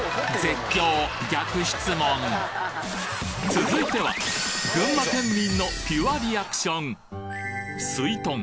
続いては群馬県民のピュアリアクションすいとん